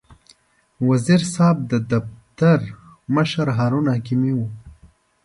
د وزیر صاحب د دفتر مشر هارون حکیمي و.